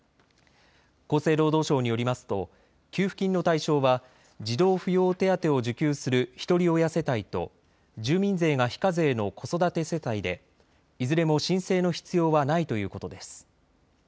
厚生労働省によりますと給付金の対象は児童扶養手当を受給するひとり親世帯と住民税が非課税の子育て世帯でいずれも申請の必要はないということです。